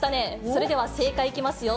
それでは正解いきますよ。